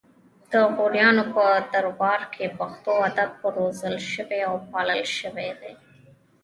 د غوریانو په دربار کې پښتو ادب روزل شوی او پالل شوی دی